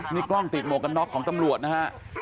นี่กล้องติดหมวกกันน็อกของตำรวจนะฮะ